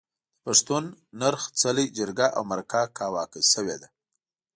د پښتون نرخ، څلی، جرګه او مرکه کاواکه شوې ده.